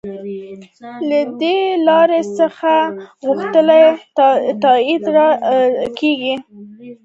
له دې لارې څخه یې غوښتل د تایید رایه تر لاسه کړي.